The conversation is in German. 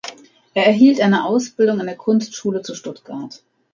Er erhielt eine Ausbildung an der Kunstschule zu Stuttgart.